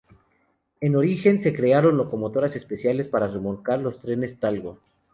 En origen, se crearon locomotoras especiales para remolcar los trenes Talgo.